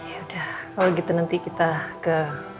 yaudah kalau gitu nanti kita ke